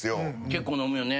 結構飲むよね。